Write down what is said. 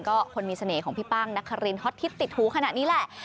ก็คนมีเสน่ห์ของพี่ป้างนครินฮอตฮิตติดหูขนาดนี้แหละ